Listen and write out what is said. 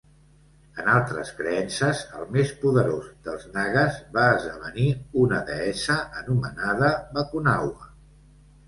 En altres creences, el més poderós dels Nagas va esdevenir una deessa anomenada Bakunawa.